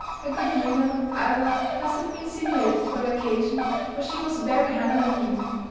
Her good humour, however, must have been simulated for the occasion, for she was very hungry indeed.